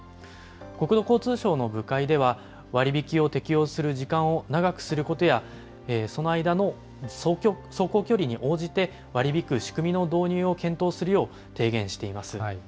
国土交通省の部会では、割引を適用する時間を長くすることや、その間の走行距離に応じて、割り引く仕組みの導入を検討するよう提言しています。